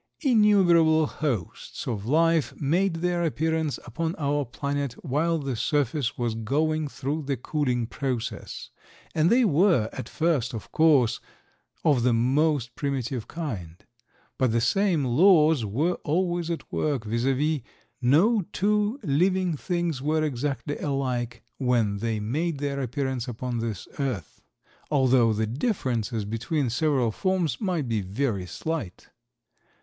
Innumerable hosts of life made their appearance upon our planet while the surface was going through the cooling process, and they were, at first, of course, of the most primitive kind. But the same laws were always at work, viz., no two living things were exactly alike when they made their appearance upon this earth, although the differences between several forms might be very slight.